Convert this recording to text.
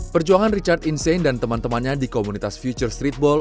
perjuangan richard insane dan teman temannya di komunitas future streetball